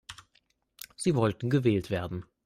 Sie wollten gewählt werden.